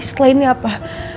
setelah ini apa